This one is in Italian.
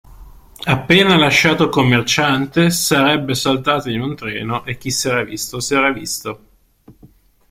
Appena lasciato il commerciante, sarebbe saltato in un treno e chi s'era visto s'era visto.